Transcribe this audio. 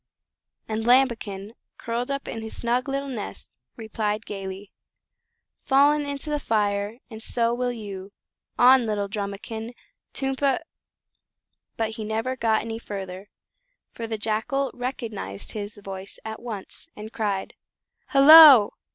And Lambikin, curled up in his snug little nest, replied gaily: "Fallen into the fire, and so will you On little Drumikin! Tum pa " But he never got any further, for the Jackal recognised his voice at once, and cried: "Hullo!